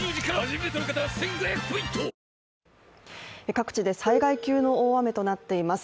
各地で災害級の大雨となっています。